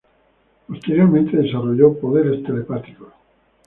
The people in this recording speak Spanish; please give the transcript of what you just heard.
Posteriormente desarrolló poderes telepáticos.